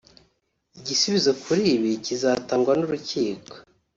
Igisubizo kuri ibi kizatangwa n’urukiko